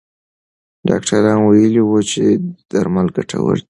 ډاکټران ویلي وو چې درمل ګټور دي.